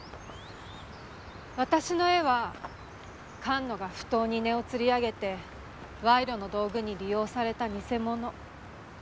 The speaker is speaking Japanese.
私の絵は菅野が不当に値を吊り上げて賄賂の道具に利用された偽物。